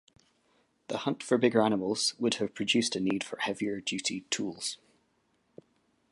The hunt for bigger animals would have produced a need for heavier-duty tools.